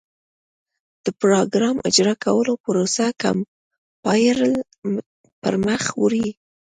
د پراګرام اجرا کولو پروسه کمپایلر پر مخ وړي.